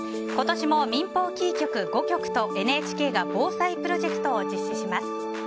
今年も民放キー局５局とＮＨＫが防災プロジェクトを実施します。